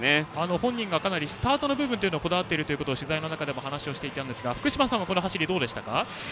本人がスタートの部分にこだわっていると取材の中でも話をしていたんですが福島さんはどうでしたか？